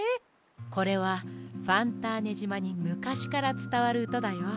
これはファンターネじまにむかしからつたわるうただよ。